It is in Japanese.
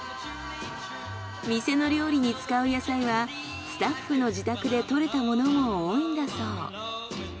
店の料理に使う野菜はスタッフの自宅で採れたものも多いんだそう。